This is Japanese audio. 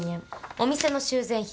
お店の修繕費